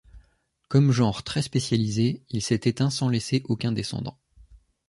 Comme genre très spécialisé, il s'est éteint sans laisser aucun descendant.